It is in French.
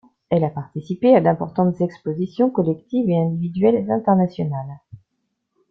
Elle a participé à d'importantes expositions collectives et individuelles internationales.